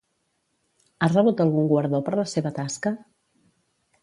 Ha rebut algun guardó per la seva tasca?